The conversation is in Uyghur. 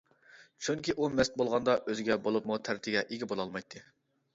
چۈنكى ئۇ مەست بولغاندا ئۆزىگە، بولۇپمۇ تەرىتىگە ئىگە بولالمايتتى.